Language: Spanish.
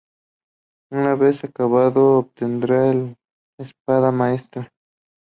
Una vez acabado obtendrá la Espada Maestra.